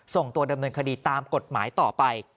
ส่งตัวดำเนินคดีตามกฎหมายต่อไป